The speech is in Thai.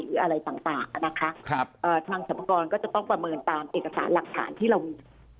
หรืออะไรต่างนะคะทางสมกรก็จะต้องประเมินตามเอกสารหลักฐานที่เรามี